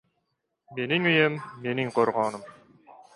• Mening uyim ― mening qo‘rg‘onim.